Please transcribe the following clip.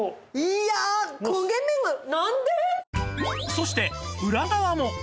そして裏側も